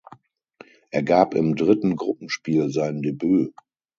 Er gab im dritten Gruppenspiel sein Debüt.